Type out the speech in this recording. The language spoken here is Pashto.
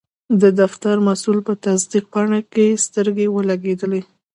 د فتر مسول په تصدیق پاڼه سترګې ولګیدې.